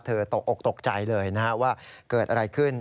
เธอตกออกตกใจเลยนะครับว่าเกิดอะไรขึ้น